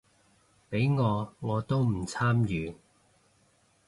畀我我都唔參與